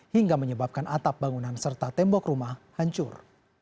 hingga menyebabkan atap bangunan serta tembok rumah hancur